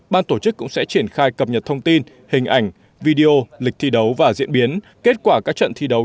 ban tổ chức cũng sẽ triển khai cập nhật thông tin hình ảnh video lịch thi đấu và diễn biến kết quả các trận thi đấu